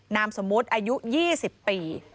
น่ามสมุทรอายุ๒๐ปี